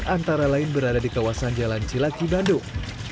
antara lain berada di kawasan jalan cilaki bandung